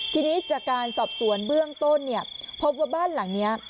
ทีนี้จากการสอบสวนเบื้องต้นเนี่ยพบว่าบ้านหลังนี้